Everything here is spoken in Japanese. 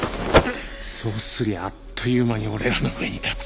そうすりゃあっという間に俺らの上に立つ。